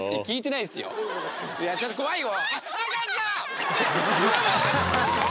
いやちょっと怖いよ！